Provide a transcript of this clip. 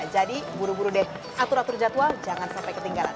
buru buru deh atur atur jadwal jangan sampai ketinggalan